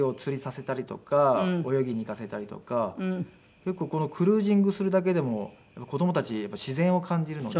結構このクルージングするだけでも子供たちやっぱり自然を感じるので。